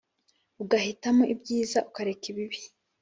ugahitamo ibyiza ukareka ibibi